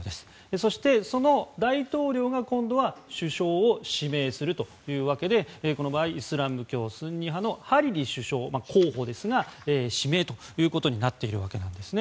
そして、大統領が今度は首相を指名するというわけでこの場合、イスラム教スンニ派のハリリ首相が候補ですが、指名ということになっているんですね。